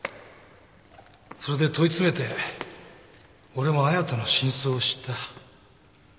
それで問い詰めて俺も亜矢との真相を知った。